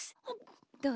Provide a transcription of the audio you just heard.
どう？